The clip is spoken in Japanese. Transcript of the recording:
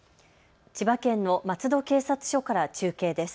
千葉県の松戸警察署から中継です。